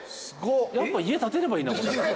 やっぱ家建てればいいんだ。